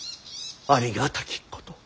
ありがたきこと。